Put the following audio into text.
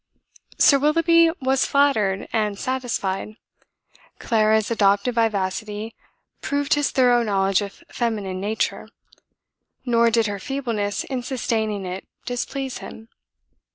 Sir Willoughby was flattered and satisfied. Clara's adopted vivacity proved his thorough knowledge of feminine nature; nor did her feebleness in sustaining it displease him.